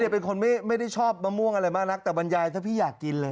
เป็นคนไม่ได้ชอบมะม่วงอะไรมากนักแต่บรรยายถ้าพี่อยากกินเลย